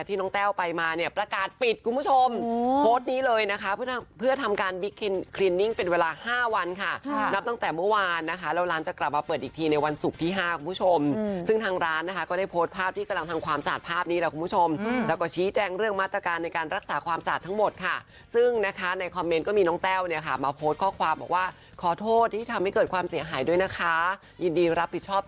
ที่น้องแต้วไปมาเนี่ยประกาศปิดคุณผู้ชมโพสต์นี้เลยนะคะเพื่อทำการคลินนิ่งเป็นเวลา๕วันค่ะนับตั้งแต่เมื่อวานนะคะแล้วร้านจะกลับมาเปิดอีกทีในวันศุกร์ที่๕คุณผู้ชมซึ่งทางร้านนะคะก็ได้โพสต์ภาพที่กำลังทำความสาดภ